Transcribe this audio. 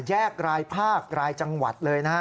แยกรายภาครายจังหวัดเลยนะฮะ